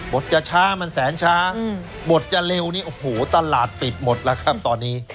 จะช้ามันแสนช้าบทจะเร็วนี่โอ้โหตลาดปิดหมดแล้วครับตอนนี้